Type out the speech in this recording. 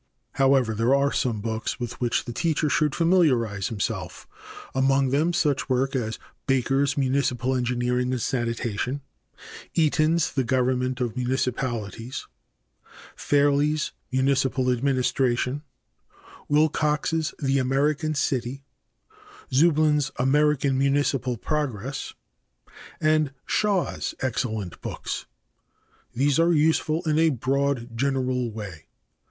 However, there are some books with which the teacher should familiarize himself, among them such works as Baker's "Municipal Engineering and Sanitation," Eaton's "The Government of Municipalities," Fairlie's "Municipal Administration," Wilcox's "The American City," Zueblin's "American Municipal Progress" and Shaw's excellent books. These are useful in a broad, general way.